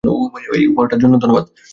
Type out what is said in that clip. ওহ, hey, ভায়া, উপহারটার জন্য ধন্যবাদ।